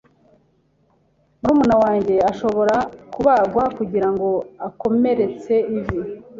Murumuna wanjye ashobora kubagwa kugirango akomeretse ivi.